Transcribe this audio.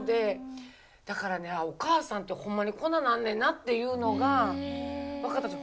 だからねお母さんってホンマにこんななんねんなっていうのが分かったんですよ。